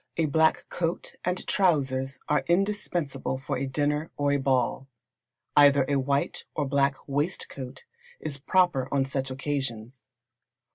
A black coat and trousers are indispensable for a dinner, or a ball. Either a white or black waistcoat is proper on such occasions.